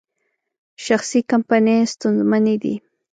شخصي کمپنۍ ستونزمنې دي.